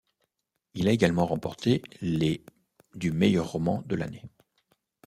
Il a également remporté les du meilleur roman de l’année.